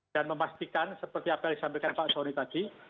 dan memastikan seperti apa yang disampaikan pak jumeri tadi